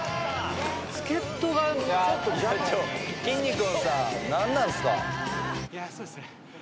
きんに君さん何なんすか？